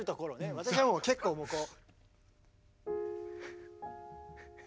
私はもう結構もうこう。